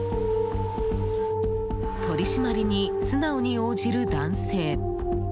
取り締まりに素直に応じる男性。